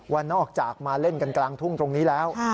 ว่านอกจากมาเล่นกันกลางทุ่งตรงนี้แล้ว